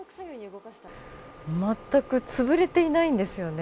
まったくつぶれていないんですよね。